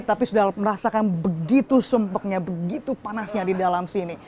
tapi sudah merasakan begitu sempetnya begitu panasnya di dalam sini